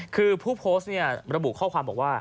คือผู้โพสต์เนี่ยระบุข้อความบอกว่า